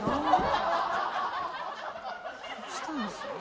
どうしたんですかね？